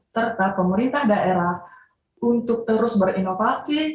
serta pemerintah daerah untuk terus berinovasi